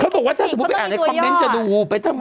บอกว่าถ้าสมมุติไปอ่านในคอมเมนต์จะดู